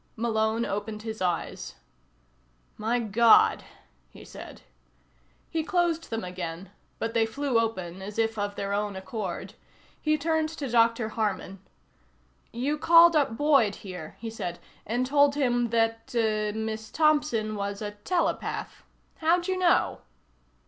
Malone opened his eyes. "My God," he said. He closed them again but they flew open as if of their own accord. He turned to Dr. Harman. "You called up Boyd here," he said, "and told him that er Miss Thompson was a telepath. How'd you know?"